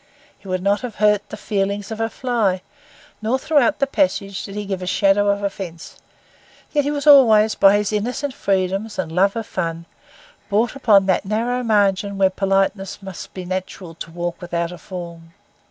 He would not have hurt the feelings of a fly, nor throughout the passage did he give a shadow of offence; yet he was always, by his innocent freedoms and love of fun, brought upon that narrow margin where politeness must be natural to walk without a fall.